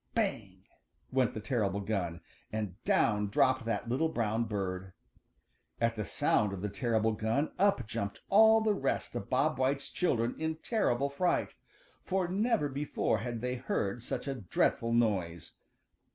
"Bang!" went the terrible gun, and down dropped that little brown bird. At the sound of the terrible gun up jumped all the rest of Bob White's children in terrible fright, for never before had they heard such a dreadful noise.